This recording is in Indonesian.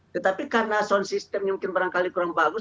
tetapi karena sound system mungkin kurang bagus